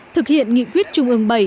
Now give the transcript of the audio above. thực hiện nghị quyết trung ứng bảy